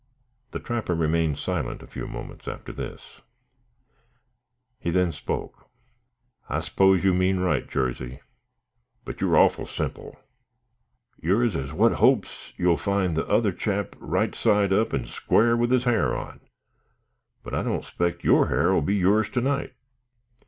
The trapper remained silent a few moments after this. He then spoke: "I s'pose you mean right, Jarsey, but you're awful simple. Yer's as what hopes you'll find the other chap right side up and squar with his ha'r on, but I don't 'spect your ha'r 'll be yer's to night.